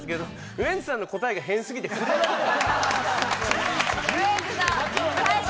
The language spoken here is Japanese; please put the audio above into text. ウエンツさんの答えが変すぎて触れられなかった。